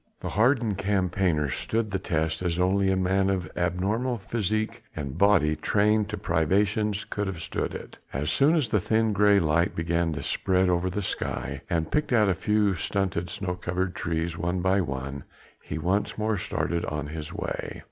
The hardened campaigner stood the test as only a man of abnormal physique and body trained to privations could have stood it. As soon as the thin grey light began to spread over the sky and picked out a few stunted snow covered trees, one by one, he once more started on his way.